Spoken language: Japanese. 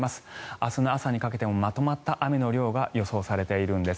明日の朝にかけてもまとまった雨の量が予想されているんです。